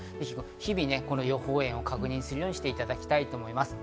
日々、予報円を確認するようにしていただきたいと思います。